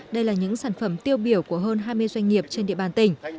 đây là những sản phẩm tiêu biểu của hơn hai mươi doanh nghiệp trên địa bàn tỉnh